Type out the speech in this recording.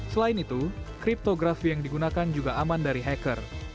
selain itu kriptografi yang digunakan juga aman dari hacker